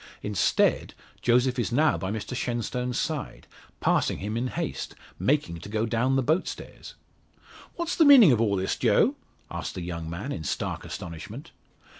Instead, Joseph is now by Mr Shenstone's side, passing him in haste making to go down the boat stairs! "What's the meaning of all this, Joe?" asks the young man, in stark astonishment.